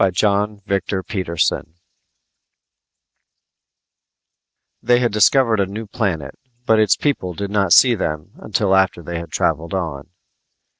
John Victor Peterson_ They had discovered a new planet but its people did not see them until after they had traveled on.